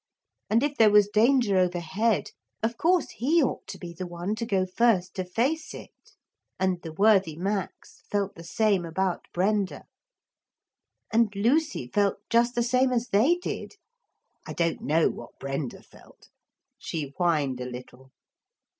And if there was danger overhead, of course he ought to be the one to go first to face it. And the worthy Max felt the same about Brenda. And Lucy felt just the same as they did. I don't know what Brenda felt. She whined a little.